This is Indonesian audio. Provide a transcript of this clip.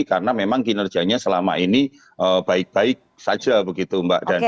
karena memang kinerjanya selama ini baik baik saja begitu mbak